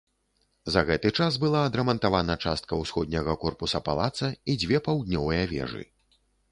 За гэты час была адрамантавана частка ўсходняга корпуса палаца і дзве паўднёвыя вежы.